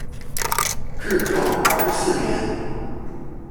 至正二十四年。